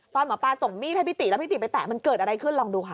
ตอนหมอปลาส่งมีดให้พี่ติแล้วพี่ติไปแตะมันเกิดอะไรขึ้นลองดูค่ะ